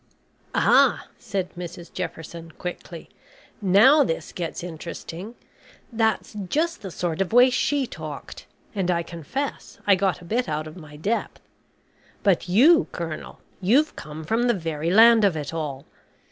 "Ah," said Mrs Jefferson, quickly. "Now this gets interesting. That's just the sort of way she talked, and I confess I got a bit out of my depth. But you, Colonel, you've come from the very land of it all.